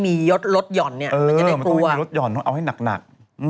มันสิ่งที่เขาถนัด